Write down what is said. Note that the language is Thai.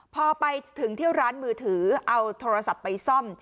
พอไปถึงเที่ยวร้านมือถือเอาโทรศัพท์ไปซ่อม